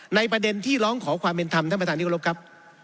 ประเด็นที่ร้องขอความเป็นธรรมท่านประธานที่กรบครับ